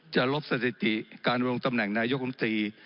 ลบสถิติการลงตำแหน่งนายกรรมตรี